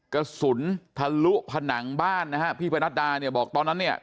กระสุนทะลุผนังบ้านนะฮะพี่พนัดดาเนี่ยบอกตอนนั้นเนี่ย